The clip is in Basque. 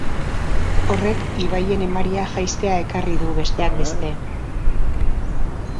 Horrek, ibaien emaria jaistea ekarri du, besteak beste.